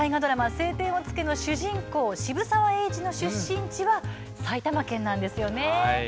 「青天を衝け」の主人公・渋沢栄一の出身地は埼玉県なんですよね。